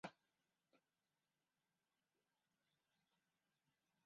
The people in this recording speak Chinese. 本名义久。